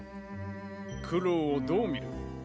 九郎をどう見る？